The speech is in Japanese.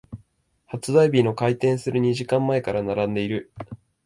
発売日の開店する二時間前から並んでいる。